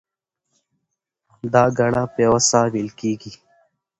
دا ګړه په یوه ساه وېل کېږي.